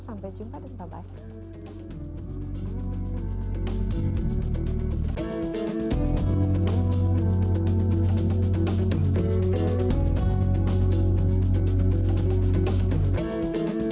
sampai jumpa dan bye bye